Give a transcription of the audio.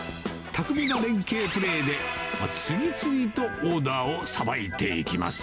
巧みな連携プレーで、次々とオーダーをさばいていきます。